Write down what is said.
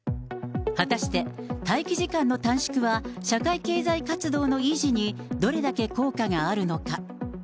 果たして、待機時間の短縮は社会経済活動の維持に、どれだけ効果があるのか。